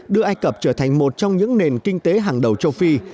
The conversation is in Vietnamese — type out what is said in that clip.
đưa ai cập trở thành một trong những nền kinh tế hàng đầu châu phi